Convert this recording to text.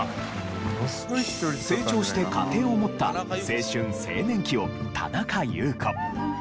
成長して家庭を持った青春・成年期を田中裕子。